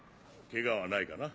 ケガはないかな？